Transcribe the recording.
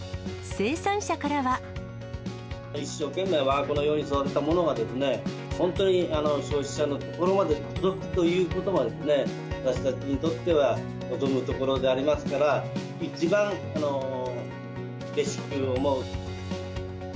一生懸命わが子のように育てたものが、本当に消費者の所まで届くということが、私たちにとっては望むところでありますから、一番うれしく思う。